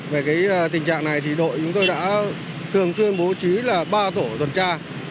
về cái tình trạng này thì đội chúng tôi đã thường thuyên bố trí là ba tổ tuần tra